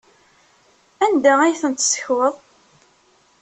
Anda ay ten-tessekweḍ?